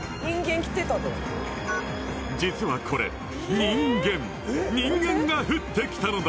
実はこれ人間人間が降ってきたのだ